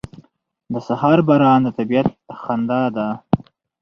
• د سهار باران د طبیعت خندا ده.